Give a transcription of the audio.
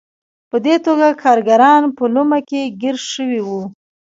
په دې توګه کارګران په لومه کې ګیر شوي وو.